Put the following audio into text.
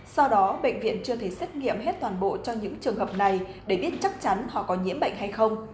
do đó bệnh viện chưa thể xét nghiệm hết toàn bộ cho những trường hợp này để biết chắc chắn họ có nhiễm bệnh hay không